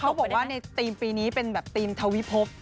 เขาบอกว่าในธีมปีนี้เป็นแบบธีมทวิภพ